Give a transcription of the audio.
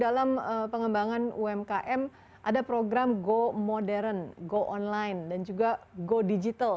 dalam pengembangan umkm ada program go modern go online dan juga go digital